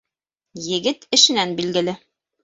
Егет эшенән билгеле.